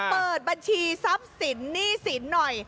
เปิดบัญชีทรัพย์สินหนี้สินหน่อย